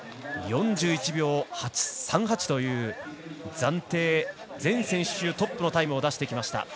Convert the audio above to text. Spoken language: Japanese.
４１秒３８という暫定、全選手でトップのタイムを出してきました。